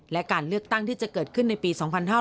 และการเลือกตั้งที่จะเกิดขึ้นในปี๒๕๕๙